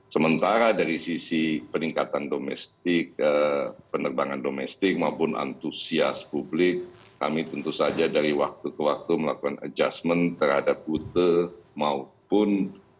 sementara dari sisi peningkatan domestik penerbangan domestik maupun antusias publik kami tentu saja dari waktu ke waktu melakukan adjustment terhadap rute maupun